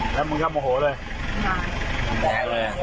พอแม่กลับมาแม่ก็ไปบอกยายแล้วมึงก็โมโหเลย